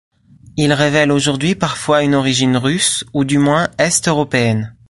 Il révèle aujourd'hui parfois une origine russe ou du moins est-européenne.